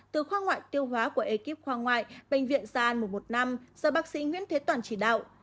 từ khoa ngoại tiêu hóa của ekip khoa ngoại bệnh viện gia an mùa một năm do bác sĩ nguyễn thế toàn chỉ đạo